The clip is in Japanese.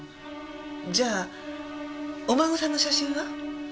じゃあお孫さんの写真は？